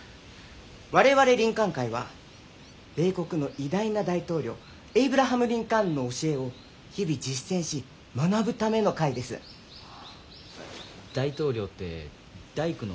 我々林肯会は米国の偉大な大統領エイブラハム・リンカーンの教えを日々実践し学ぶための会です。はあ。